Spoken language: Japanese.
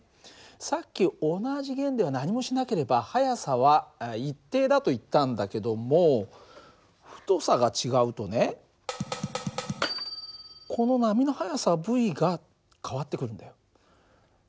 さっき同じ弦では何もしなければ速さは一定だと言ったんだけども太さが違うとねこの波の速さυが変わってくるんだよ。